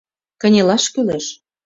— Кынелаш кӱлеш.